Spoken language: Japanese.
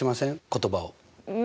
言葉を。